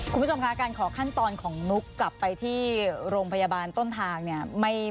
คุณผู้ชมคะการขอขั้นตอนของนุ๊กกลับไปที่โรงพยาบาลต้นทางเนี่ย